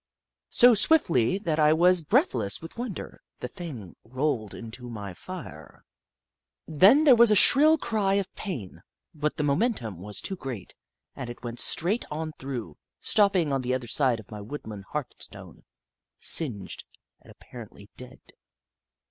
So swiftly that I was breathless with wonder, the thing rolled into my fire. Then there was a shrill cry of pain, but the momentum was too great, and it went straight on through, stopping on the other side of my woodland hearthstone, singed, and apparently dead.